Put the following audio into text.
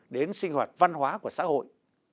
đến sinh hoạt văn hóa của xã hội